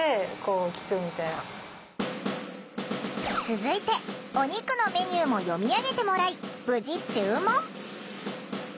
続いてお肉のメニューも読み上げてもらい無事注文。